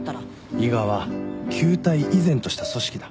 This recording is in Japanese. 伊賀は旧態依然とした組織だ。